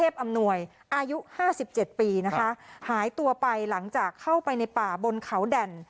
พรุนตัวไปหลังจากเข้าไปในป่าบนเขาแด่น